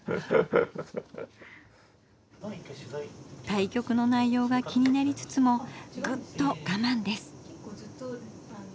対局の内容が気になりつつもぐっとがまんです。